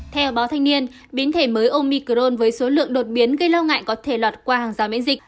theo báo thanh niên biến thể mới omicrone với số lượng đột biến gây lo ngại có thể lọt qua hàng rào miễn dịch